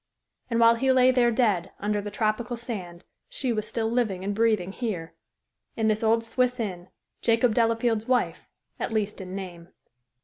And while he lay there dead, under the tropical sand, she was still living and breathing here, in this old Swiss inn Jacob Delafield's wife, at least in name.